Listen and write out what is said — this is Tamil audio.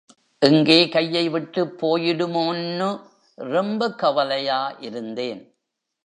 எங்கே கையை விட்டுப் போயிடுமோன்னு ரொம்ப கவலையா இருந்தேன்.